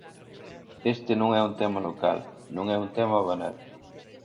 Este non é un tema local, non é un tema banal.